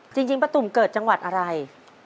จริงป้าตุ๋มเกิดจังหวัดอะไร